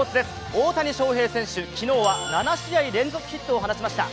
大谷翔平選手、昨日は７試合連続ヒットを放ちました。